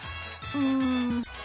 うん。